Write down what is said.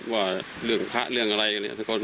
ว่าเรื่องพระเรื่องอะไรเนี่ย